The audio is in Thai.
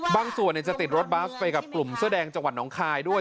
บางส่วนจะติดรถบัสไปกับกลุ่มเสื้อแดงจังหวัดน้องคายด้วย